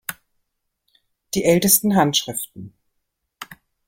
Die ältesten Hss.